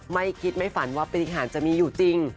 ไม่คิดไม่ฝันว่าปฏิหารจะมีอยู่จริง